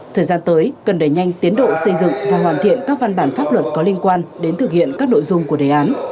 thời gian tới cần đẩy nhanh tiến độ xây dựng và hoàn thiện các văn bản pháp luật có liên quan đến thực hiện các nội dung của đề án